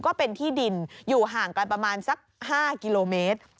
ก็เป็นที่ดินอยู่ห่างกันประมาณสัก๕กิโลเมตร